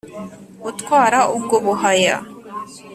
Utwara ubwo Buhaya;